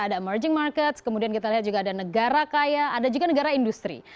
ada emerging markets kemudian kita lihat juga ada negara kaya ada juga negara industri